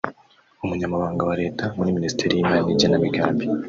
Umunyamabanga wa Leta muri Minisiteri y’imari n’igenamigambi